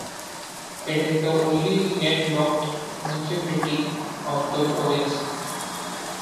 It is the only land-locked municipality of the province.